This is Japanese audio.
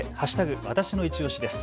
わたしのいちオシです。